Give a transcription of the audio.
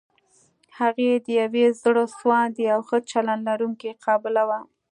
هغې د يوې زړه سواندې او ښه چلند لرونکې قابله وه.